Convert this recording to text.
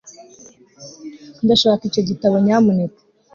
ndashaka icyo gitabo, nyamuneka